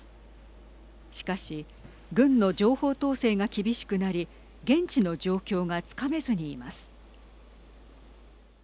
しかし軍の情報統制が厳しくなり現地の状況がつかめずにいます。